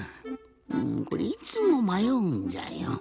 うんこれいつもまようんじゃよ。